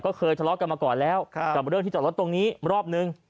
ก็เคยทะเลาะกันมาก่อนแล้วกับเรื่องที่จอดรถตรงนี้รอบนึง